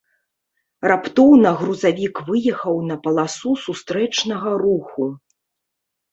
Раптоўна грузавік выехаў на паласу сустрэчнага руху.